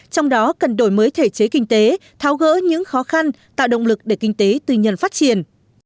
trong đó cần đổi mới thể chế kinh tế tháo gỡ những khó khăn tạo động lực để kinh tế tư nhân phát triển